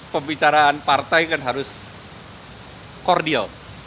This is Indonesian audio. pembicaraan partai kan harus cordial